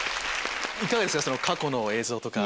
いかがですか？